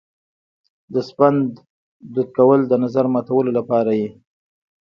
د سپند دود کول د نظر ماتولو لپاره وي.